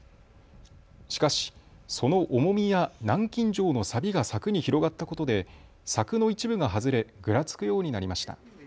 しかしその重みや南京錠のさびが柵に広がったことで柵の一部が外れ、ぐらつくようになりました。